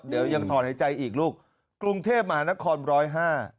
เดี๋ยวยังถอนหายใจอีกลูกกรุงเทพมหานครร้อยห้า